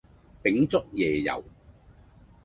秉燭夜遊